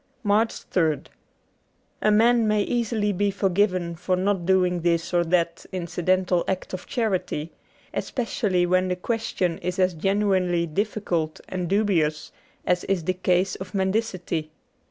'' 68 MARCH 3rd A MAN may easily be forgiven for not doing this or that incidental act of charity, especially when the question is as genuinely difficult and dubious as is the case of mendicity.